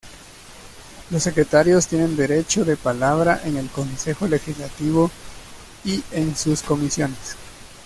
Los Secretarios tienen derecho de palabra en el Consejo Legislativo y en sus Comisiones.